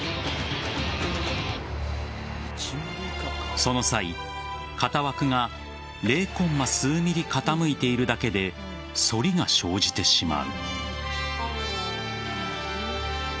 その際、型枠が０コンマ数ミリ傾いているだけで反りが生じてしまう。